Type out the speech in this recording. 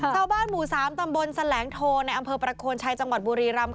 ชาวบ้านหมู่๓ตำบลแสลงโทในอำเภอประโคนชัยจังหวัดบุรีรำ